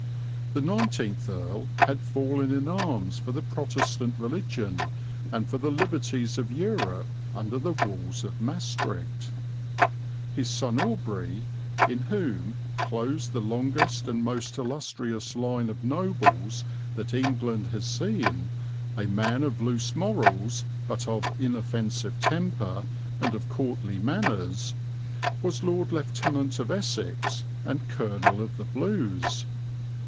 The nineteenth Earl had fallen in arms for the Protestant religion and for the liberties of Europe under the walls of Maestricht. His son Aubrey, in whom closed the longest and most illustrious line of nobles that England has seen, a man of loose morals, but of inoffensive temper and of courtly manners, was Lord Lieutenant of Essex and Colonel of the Blues.